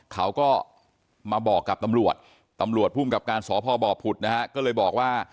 เขาก็มาบอกกับตำรวจกับการสอพบอบขุดก็เลยบอกว่า